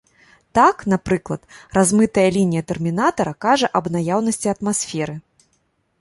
Так, напрыклад, размытая лінія тэрмінатара кажа аб наяўнасці атмасферы.